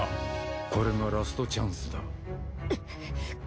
これがラストチャンスだ。